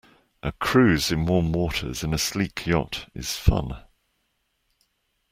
A cruise in warm waters in a sleek yacht is fun.